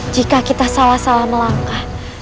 jika kita salah salah melangkah